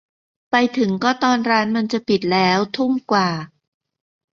ไปถึงก็ตอนร้านมันจะปิดแล้ว ทุ่มกว่า